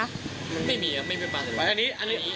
ไม่มีครับไม่มีปลาใส่รถ